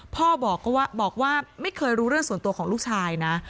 พ่อบอกว่าไม่เคยรู้เรื่องส่วนตัวของลูกชายนะ